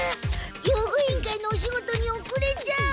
用具委員会のお仕事におくれちゃう！